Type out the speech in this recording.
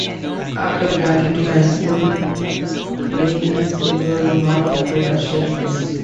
After graduating high school, Rhenigans enrolled in North Dakota State University.